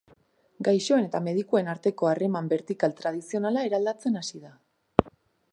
Gaixoen eta medikuen arteko harreman bertikal tradizionala eraldatzen hasi da.